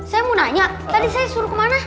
saya mau nanya tadi saya suruh kemana